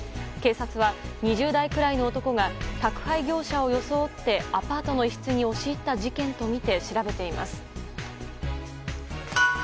警察は２０代くらいの男が宅配業者を装ってアパートの一室に押し入った事件とみて調べています。